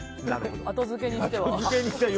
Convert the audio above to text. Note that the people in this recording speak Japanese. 後づけにしては。